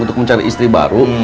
untuk mencari istri baru